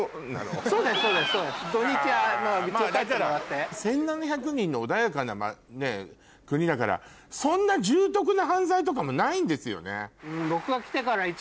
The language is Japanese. まぁだから１７００人の穏やかな国だからそんな重篤な犯罪とかもないんですよね？